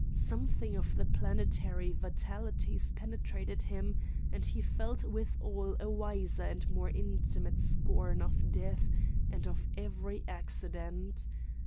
Something of the planetary vitalities penetrated him, and he felt withal a wiser and more intimate scorn of death and of every accident.